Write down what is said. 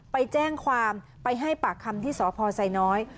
ไปแจ้งความไปให้ปากคำที่สพไซน้อย